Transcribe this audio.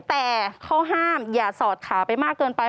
แต่เขาห้ามอย่าสอดขาไปมากเกินไป